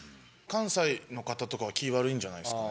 関西の方とかは気悪いんじゃないですかね。